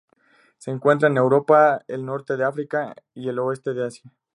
Se encuentra en Europa, el norte de África y el oeste de Asia.